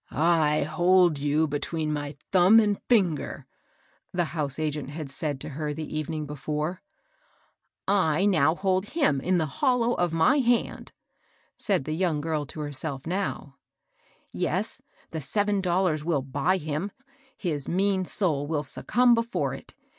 "I hold you between my thumb and finger," the house agent had said to her the evening before. I now hold 1dm in the hollow of my hand 1 " said the young girl to herself now. *' Yes, the seven dollars will buy him, — his mean soul will succumb before it.